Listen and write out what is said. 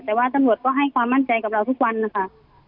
แต่ว่าตำรวจก็ให้ความมั่นใจกับเราทุกวันนะคะ